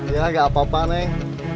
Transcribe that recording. ya gak apa apa nih